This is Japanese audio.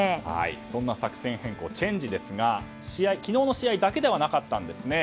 そんな作戦変更チェンジですが昨日の試合だけではなかったんです。